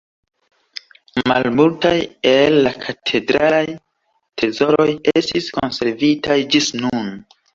Malmultaj el la katedralaj trezoroj estis konservitaj ĝis nun.